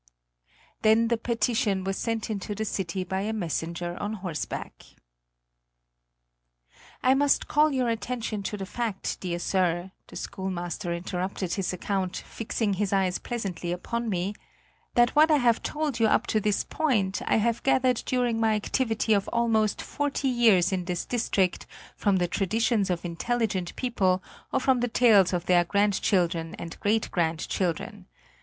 Then the petition was sent into the city by a messenger on horseback. I must call your attention to the fact, dear sir, the schoolmaster interrupted his account, fixing his eyes pleasantly upon me, that what I have told you up to this point I have gathered during my activity of almost forty years in this district from the traditions of intelligent people or from the tales of their grandchildren and great grandchildren.